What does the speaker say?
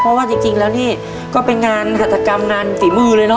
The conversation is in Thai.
เพราะว่าจริงแล้วนี่ก็เป็นงานหัตกรรมงานฝีมือเลยเน